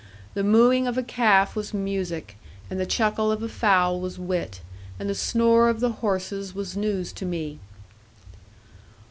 The mooing of a calf was music, and the chuckle of a fowl was wit, and the snore of the horses was news to me.